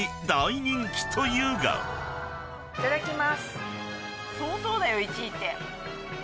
いただきます。